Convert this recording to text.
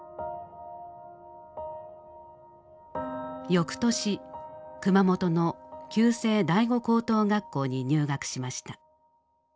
翌年熊本の旧制第五高等学校に入学しました。